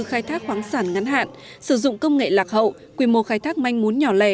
khai thác khoáng sản ngắn hạn sử dụng công nghệ lạc hậu quy mô khai thác manh mún nhỏ lẻ